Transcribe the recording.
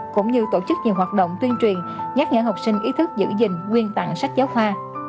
cũng như tổ chức nhiều hoạt động tuyên truyền nhắc nhở học sinh ý thức giữ gìn nguyên tặng sách giáo khoa